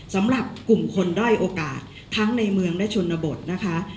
สำหรับกลุ่มคนด้อยโอกาสทั้งในเมืองและชนบทนะคะ